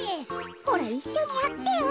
ほらいっしょにやってよ。